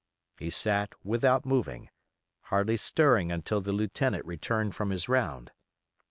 He sat without moving, hardly stirring until the lieutenant returned from his round.